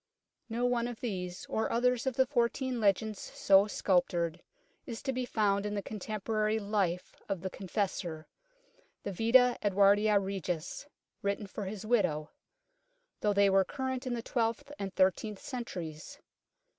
No one of these or others of the fourteen legends so sculptured is to be found in the contemporary " Life " of the Confessor the Vita Mduuardi Regis, written for his widow though they were current in the twelfth and thirteenth centuries.